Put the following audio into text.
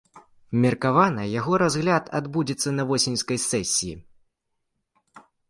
Меркавана яго разгляд адбудзецца на восеньскай сесіі.